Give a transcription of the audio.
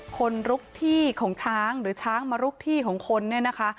คนลุกที่ของช้างหรือช้างมาลุกที่ของคนเนี่ยนะคะ